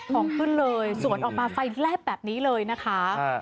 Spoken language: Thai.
ของขึ้นเลยสวนออกมาไฟแลบแบบนี้เลยนะคะ